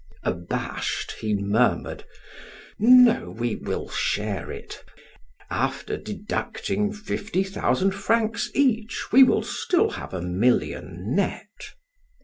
Abashed, he murmured: "No, we will share it. After deducting fifty thousand francs each we will still have a million net."